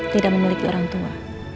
tidak memiliki orang tua